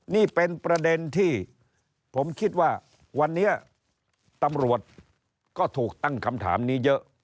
นี่เป็นประเด็นที่ผมคิดว่าวันนี้ตำรวจก็ถูกตั้งคำถามนี้เยอะ